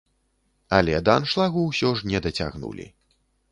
Але да аншлагу ўсё ж не дацягнулі.